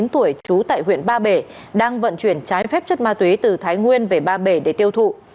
bốn mươi tuổi trú tại huyện ba bể đang vận chuyển trái phép chất ma túy từ thái nguyên về ba bể để tiêu thụ